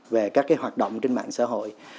về các cái hoạt động trên mạng xã hội